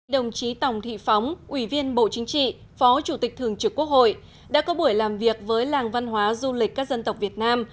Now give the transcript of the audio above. đồng chí tòng thị phóng ủy viên bộ chính trị phó chủ tịch thường trực quốc hội đã có buổi làm việc với làng văn hóa du lịch các dân tộc việt nam